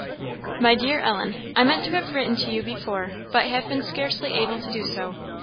"MY DEAR ELLEN, "I meant to have written to you before, but have been scarcely able to do so.